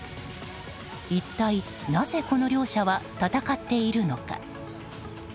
一体なぜこの両者は戦っているのか。